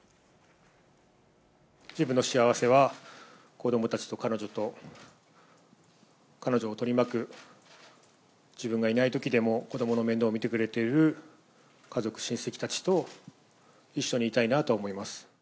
自分の幸せは、子どもたちと彼女と彼女を取り巻く、自分がいないときでも子どもの面倒を見てくれている家族、親戚たちと一緒にいたいなと思います。